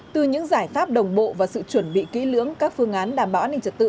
từ những giải pháp đồng bộ và sự chuẩn bị kỹ lưỡng các phương án đảm bảo an ninh trật tự